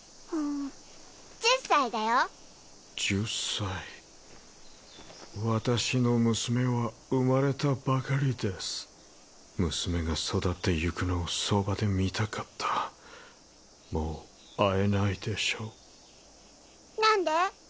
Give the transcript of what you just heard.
１０歳だよ１０歳私の娘は生まれたばかりです娘が育ってゆくのをそばで見たかったもう会えないでしょう何で？